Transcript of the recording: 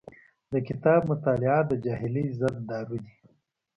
د کتاب مطالعه د جاهلۍ ضد دارو دی.